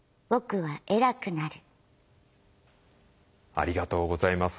ありがとうございます。